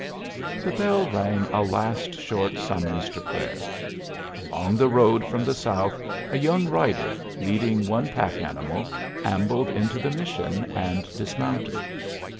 The bell rang a last short summons to prayer. Along the road from the south a young rider, leading one pack animal, ambled into the mission and dismounted.